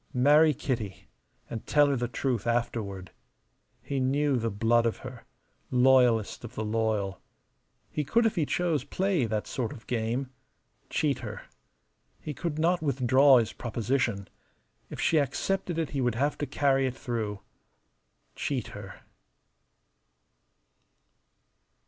Marry Kitty, and tell her the truth afterward. He knew the blood of her loyalest of the loyal. He could if he chose play that sort of game cheat her. He could not withdraw his proposition. If she accepted it he would have to carry it through. Cheat her.